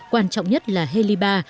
quan trọng nhất là heliba